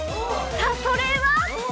さあ、それは？